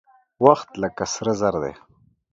وخت لکه سره زر دى.